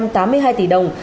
hai trăm tám mươi hai tỷ đồng